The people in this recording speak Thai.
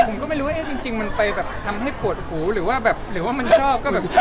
ผมก็ไม่รู้ว่าเอ๊ะจริงมันไปแบบทำให้ปวดหูหรือว่าแบบหรือว่ามันชอบก็แบบ